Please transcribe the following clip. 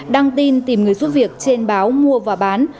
đăng tin tìm người giúp việc trên báo mua và bán